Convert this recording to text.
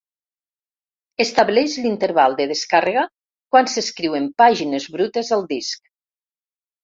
Estableix l'interval de descàrrega quan s'escriuen pàgines brutes al disc.